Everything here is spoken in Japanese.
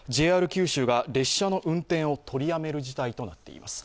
ＪＲ九州が列車の運転を取りやめる事態となっています。